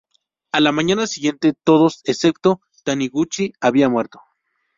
A la mañana siguiente todos, excepto Taniguchi, habían muerto.